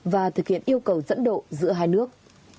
và thực hiện yêu cầu dẫn độ giữa hai nước